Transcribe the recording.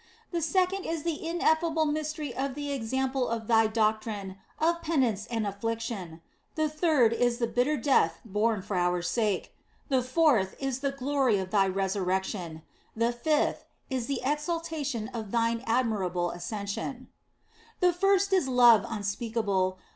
The second is the ineffable mystery of the example of Thy doctrine of penitence and affliction. The third is the bitter death borne for our sake. The 254 THE BLESSED ANGELA fourth is the glory of Thy Resurrection. The fifth is the exaltation of Thine admirable Ascension. " The first is love unspeakable.